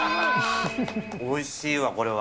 おいしいわ、これは。